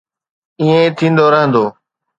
ائين ٿيندو رهندو.